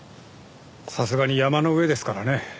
さすがに山の上ですからね。